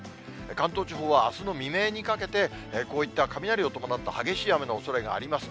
関東地方はあすの未明にかけてこういった雷を伴った激しい雨のおそれがあります。